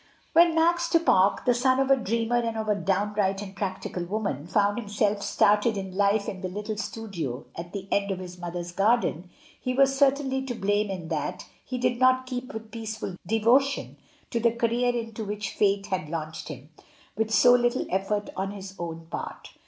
When Max du Pare, the son of a dreamer and of a downright and practical woman, found himself started in life in the little studio at the end of his mother's garden, he was certainly to blame in that he did not keep with peaceful devotion to the career into which Fate had launched him, with so little effort on his own part.